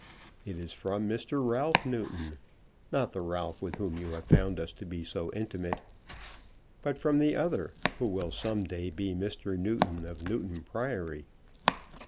It is from Mr. Ralph Newton, not the Ralph with whom you have found us to be so intimate, but from the other who will some day be Mr. Newton of Newton Priory."